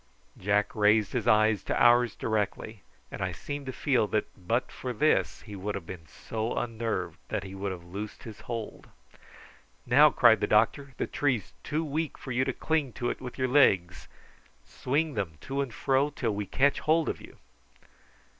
Jack raised his eyes to ours directly, and I seemed to feel that but for this he would have been so unnerved that he would have loosed his hold. "Now," cried the doctor, "the tree's too weak for you to cling to it with your legs. Swing them to and fro till we catch hold of you."